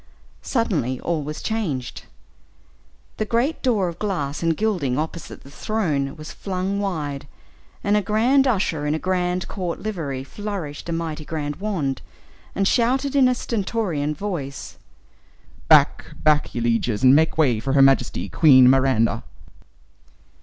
Suddenly all was changed. The great door of glass and gilding opposite the throne was flung wide, and a grand usher in a grand court livery flourished a mighty grand wand, and shouted, in a stentorian voice, "Back: back, ye lieges, and make way for Her Majesty, Queen Miranda!"